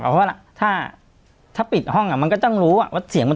เพราะว่าถ้าปิดห้องอ่ะมันก็ต้องรู้ว่าเสียงมัน